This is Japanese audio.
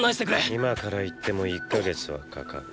今から行っても１か月はかかる。